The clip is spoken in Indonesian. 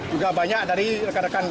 juga banyak dari rekan rekan